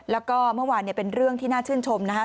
แล้วก็เมื่อวานเป็นเรื่องที่น่าชื่นชมนะครับ